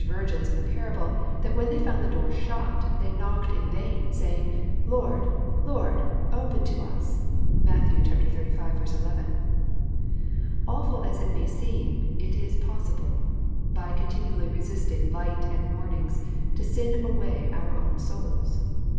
virgins in the parable, that when they found the door shat^ they knocked in vain, saying, " Lord, Lord^^open to us." (Matt. XXXV. 11.) Awful as it may seem, it is possible, by continuall}^ resisting light and warnings, to sin away our own souls.